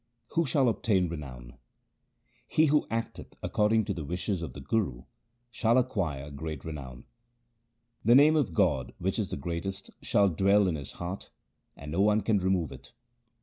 Who shall obtain renown :— He who acteth according to the wishes of the Guru shall acquire great renown. The name of God, which is the greatest, shall dwell in his heart, and no one can remove it.